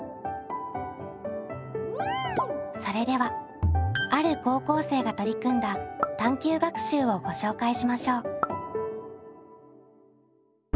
それではある高校生が取り組んだ探究学習をご紹介しましょう。